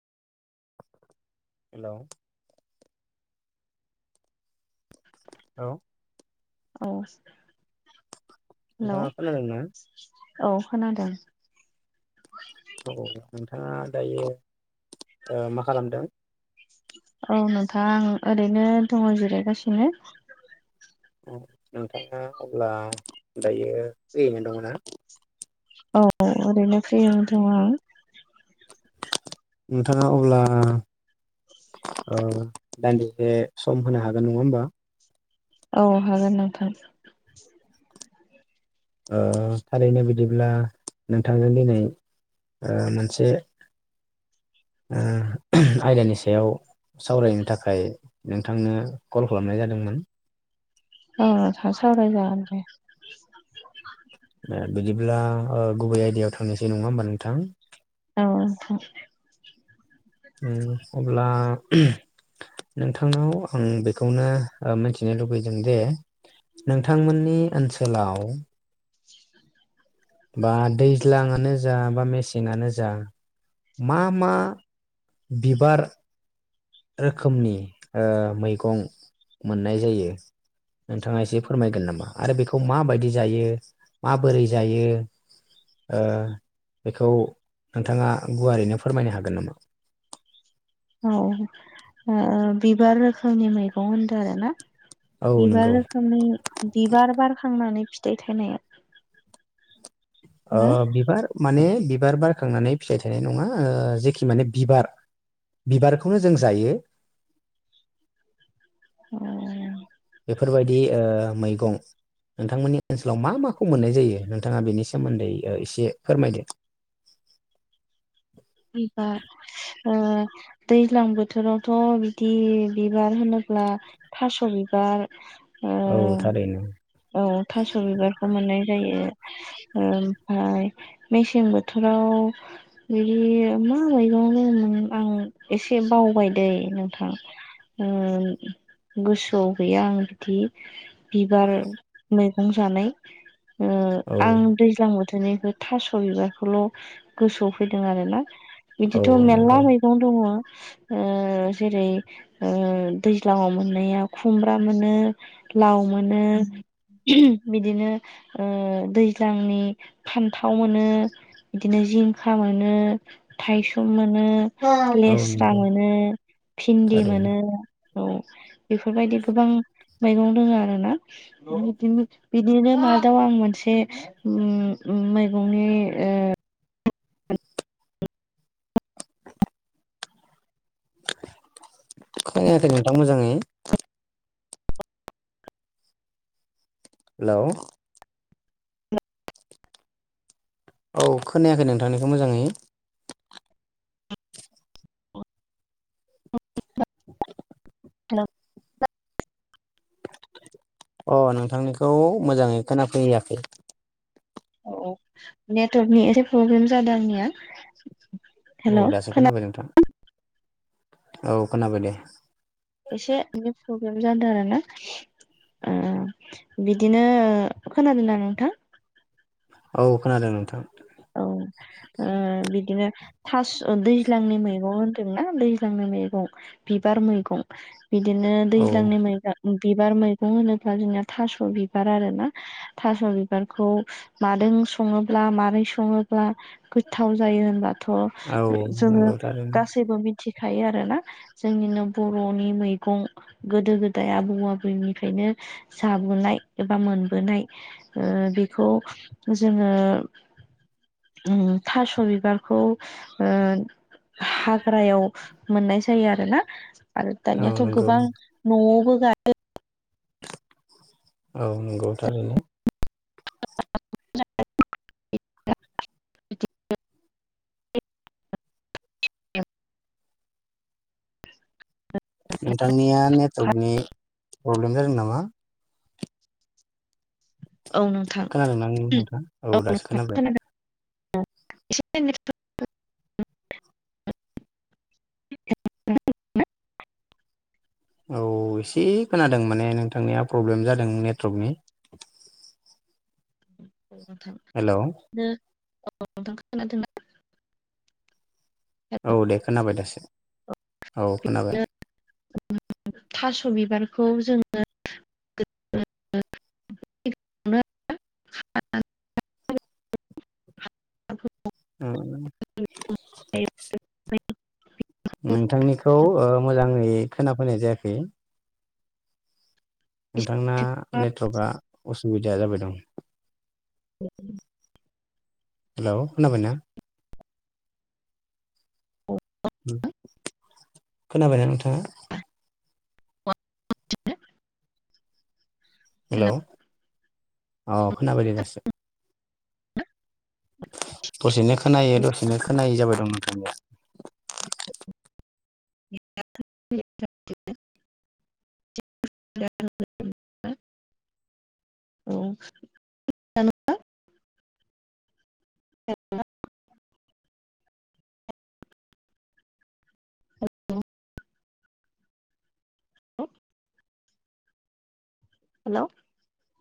Hello. औ। औ। Hello नोंथाङा खोनादों ना? औ खोनादों। औ नोंथाङा दायो ओ मा खालामदों? औ नोंथां आं ओरैनो दङ जिरायगासिनो। नोंथाङा अब्ला दायो फ्रियैनो दङ ना? औ औ ओरैनो फ्रियाव दं आं। नोंथाङा अब्ला ओ दान्दिसे सम होनो हागोन नङा होमबा? औ हागोन नोंथां। ओ थारैनो बिदिब्ला नोंथांजों दिनै ओ मोनसे ओ आयदानि सायाव सावरायनो थाखाय नोंथांनो कल खालामनाय जादोंमोन। औ नोंथां सावरायजागोन दे। ओ बिदिब्ला ओ गुबै आयदायाव थांनोसै नङा होमबा नोंथां? औ नोंथां। ओम अब्ला नोंथांनाव आं बेखौनो ओ मिथिनो लुबैदों दे नोंथांमोननि ओनसोलाव [inaudible] बा दैज्लांआनो जा बा मेसेंआनो जा मा मा बिबार रोखोमनि ओ मैगं मोननाय जायो? नोंथाङा एसे फोरमायगोन नामा? आरो बेखौ माबायदि जायो माबोरै जायो? ओ बेखौ नोंथाङा गुवारैनो फोरमायनो हागोन नामा? [inaudible] औ ओ बिबार रोखोमनि मैगं होनदों आरो ना? औ बिबार नंगौ रोखोमनि बिबार बारखांनानै फि थाय थायनाया ओ ना बिबार माने बि बार बारखांनानै फिथाइ थायनाय नङा। ओ जेखि माने बिबार। बिबारखौनो जों जायो। अ' बेफोरबायदि ओ मैगं। नोंथांमोननि ओनसोलाव मा माखौ मोननाय जायो? नोंथाङा बेनि सोमोन्दै एसे फोरमायदो। [inaudible] बिबार ओ दैज्लां बोथोरावथ' बिदि बिबार होनोब्ला थास' बिबा बार ओ औ थारैनो औ थास' बिबारखौ मोननाय जायो। ओमफ्राय मेसें बोथोराव नि बे मा मैगं दंङमोन आं एसे बावबाय दै नोंथां। ओ गोसोआव गैया आं बिदि। बिबार मैगं जानाय ओ औ आं दैज्लां बोथ थोरनिखौ थास' बिबारखौल' गोसोआव फैदों आरोना। औ बिदिथ' मेलला नंगौ मैगं दङ। ओ ओ जेरै ओ दैज्लाङाव मोननाया खुमब्रा मोनो लाउ मोनो। ओ बिदिनो ओ दैज्लांनि ओ फान्थाव मोनो। बिदिनो जिंखा मोनो। थायसुम मोनो औ लेस्रा नंगौ मोनो भिन्दि थारैनो मोनो। औ बेफोरबायदि गोबां मैगं दङ आरोना बिदिमोन बिदिनो मादाव आं मोनसे उम उम मैगंनि ओ खोनायाखै नोंथां मोजाङै। हेलौ औ खोनायाखै नोंथांनिखौ मोजाङै। ओ [inaudible] हेलौ [unintelligible] अ' नोंथांनिखौ मोजाङै खोनाफैयाखै। औ टर्कनि एसे प्रब्लेम जादों आंनिया। औ हेलौ दासो खोनाबाय नोंथां औ खोनाबाय दे। एसे नेट प्रब्लेम जादों आरो ना। ओ बिदिनो ओ खोनादोंना नोंथां? औ खोनादों नोंथां। औ ओ बिदिनो थास' दैज्लांनि मैगं होनदोंना दैज्लांनि मैगं। बिबार मैगं बिदिनो औ दैज्लांनि मैगो उम बिबार मैगं होनोब्ला जोंना थास' बिबार आरो ना थास' बिबारखौ मादों सङोब्ला मारै सङोब्ला गोथाव जायो होनबा‌ थ औ जोङो नंगौ थारैनो गासैबो मिथ थिखायो आरो ना जोंनिनो बर'नि मैगं गोदो गोदाय आबौ आबौनिफ्रायनो नो जाबोनाय एबा मोनबोनाय ओ बेखौ जोङो [inaudible] उम‌ थासास' बिबारखौ ओ हाग्रायाव मोननाय जायो आरो ना। आरो औ दानियाथ' नंगौ गोबां न'आवबो गा [unintelligible] औ नंगौ थारैनो। [inaudible] [inaudible] नोंथांनिया नेटवर्कनि प्रब्लेम जादों नामा औ नोंथां खोनादोंना नोंथां औ दासो नोंथां खोनाबाय खोनादों [unintelligible] [unintelligible] औ एसे खोनादों माने नोंथांनिया प्रब्लेम जादों नेटवर्कनि हेलौ [unintelligible] औ दे खोनाबाय दासो औ खोनाबाय। [unintelligible] थास' बिबारखौ जों [unintelligible] [inaudible] [unintelligible] नोंथांनिखौ ओ मोजाङै खोनाफैनाय जायाखै नोंथांना नेटवर्क आ उसुबिदाया जाबाय दं। [unintelligible] हेल' खोनाबायना? खोनाबायना नोंथाङा? हेल' हेलौ अ खोनाबायदि दासो दसेनो खोनायो दसेनो खोनायै जाबाय दं नोंथांनिया [unintelligible] [inaudible] [unintelligible] हेलौ